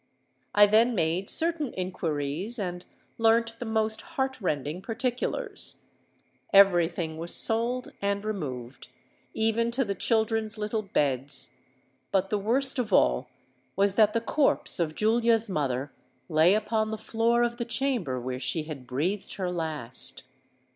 I then made certain inquiries, and learnt the most heart rending particulars. Every thing was sold and removed—even to the children's little beds;—but the worst of all was that the corse of Julia's mother lay upon the floor of the chamber where she had breathed her last!